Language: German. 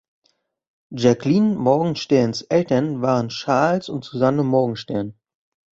Jacqueline Morgensterns Eltern waren Charles und Suzanne Morgenstern.